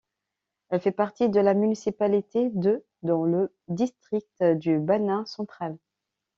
Elle fait partie de la municipalité de dans le district du Banat central.